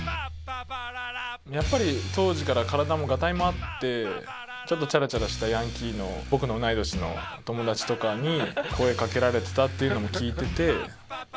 やっぱり当時から体もガタイもあってちょっとチャラチャラしたヤンキーの僕の同い年の友達とかに声かけられてたっていうのも聞いてて。